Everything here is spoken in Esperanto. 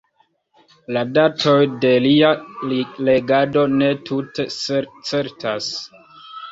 La datoj de lia regado ne tute certas.